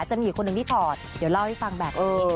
จะมีอีกคนหนึ่งที่ถอดเดี๋ยวเล่าให้ฟังแบบนี้